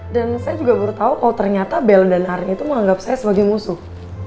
dan saya juga baru tau kalau ternyata belle dan arin itu menganggap saya sebagai musuh